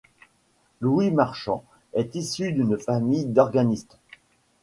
Louis Marchand est issu d'une famille d'organistes.